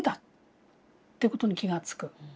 ということに気が付く。